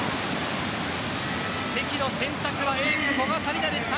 関の選択はエース古賀紗理那でした。